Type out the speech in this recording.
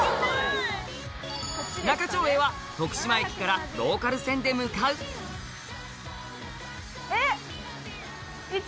那賀町へは徳島駅からローカル線で向かうえっ！